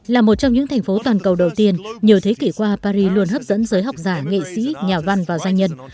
là một trong những thành phố toàn cầu đầu tiên nhiều thế kỷ qua paris luôn hấp dẫn giới học giả nghệ sĩ nhà văn và doanh nhân